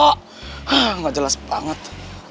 hah gak jelas banget